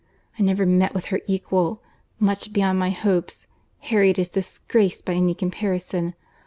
I never met with her equal. Much beyond my hopes. Harriet is disgraced by any comparison.